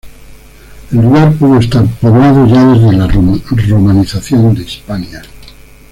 El lugar pudo estar poblado ya desde la romanización de Hispania.